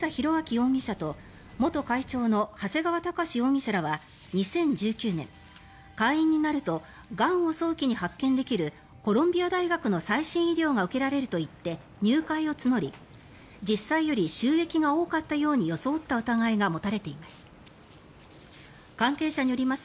容疑者と元会長の長谷川隆志容疑者らは２０１９年、会員になるとがんを早期に発見できるコロンビア大学の最新医療が受けられるといって入会を募り実際より収益が多かったように装った疑いが持たれています。